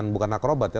bukan akrobat ya